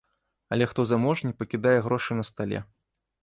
Але хто заможней, пакідае грошы на стале.